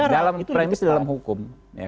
dalam premis dalam hukum